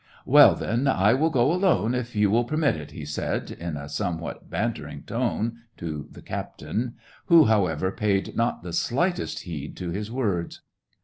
" Well, then, I will go alone, if you will permit it," he said, in a somewhat bantering tone to the captain, who, however, paid not the slightest heed to his words.